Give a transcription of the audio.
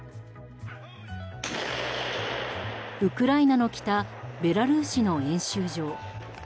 ウクライナの北ベラルーシの演習場。